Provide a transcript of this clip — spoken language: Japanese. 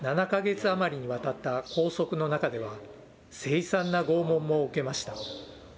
７か月余りにわたった拘束の中では、凄惨な拷問も受けました。